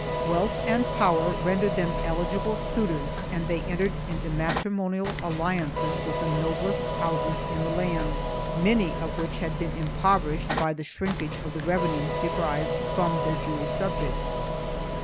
Wealth and power rendered them eligible suitors and they entered into matri monial alliances with the noblest houses in the land, many of which had been impoverished by the shrinkage of the revenues derived from their Jewish subjects.